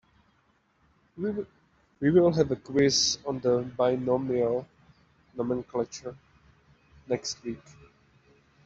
We will have a quiz on binomial nomenclature next week.